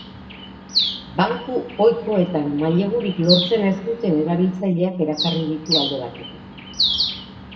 Banku ohikoetan mailegurik lortzen ez duten erabiltzaileak erakarri ditu alde batetik.